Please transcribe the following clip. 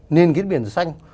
nền kinh tế biển xanh